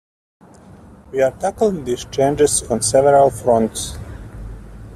We are tackling these challenges on several fronts.